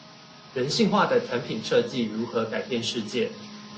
人性化的產品設計如何改變世界